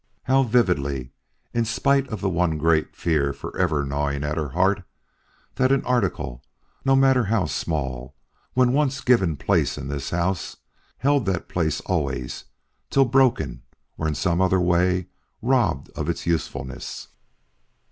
how vividly, in spite of the one great fear forever gnawing at her heart that an article, no matter how small, when once given place in this house, held that place always till broken or in some other way robbed of its usefulness.